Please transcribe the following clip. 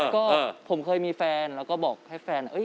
ก็ผมเคยมีแฟนแล้วก็บอกให้แฟน